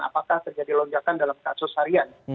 apakah terjadi lonjakan dalam kasus harian